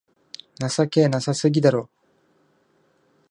情けなさすぎだろ